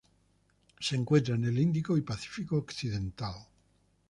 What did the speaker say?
Se encuentra en el Índico y Pacífico occidental.